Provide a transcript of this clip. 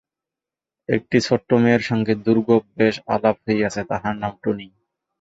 একটি ছোট্ট মেয়ের সঙ্গে দুর্গােব বেশ আলাপ হইয়াছে, তাহার নাম টুনি।